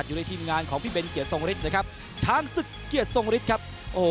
อยู่ในทีมงานของพี่เบ้นเกียรติสงฤษนะครับช้างสึกเกียรติสงฤษครับโอ้โห